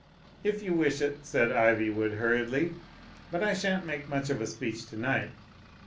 '' "If you wish it," said Iv)rwood hurriedly, "but I shan't make much of a speech to night."